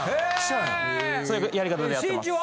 そういうやり方でやってます。